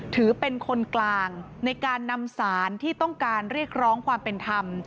ถือเป็นคนกลางในการนำสารที่ต้องการเรียกร้องความเป็นธรรม